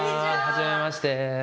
はじめまして。